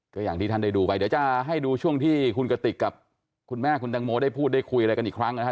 ก็อย่างที่ท่านได้ดูไปเดี๋ยวจะให้ดูช่วงที่คุณกติกกับคุณแม่คุณตังโมได้พูดได้คุยอะไรกันอีกครั้งนะฮะ